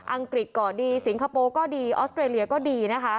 องกฤษก็ดีสิงคโปร์ก็ดีออสเตรเลียก็ดีนะคะ